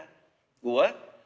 của bà con chúng ta